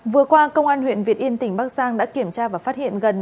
vừa qua công an huyện việt yên tỉnh bắc giang đã kiểm tra và phát hiện gần